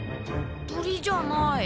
鳥じゃない。